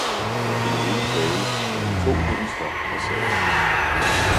jeg kunne ikke tale, men han tog hendes hånd og sagde.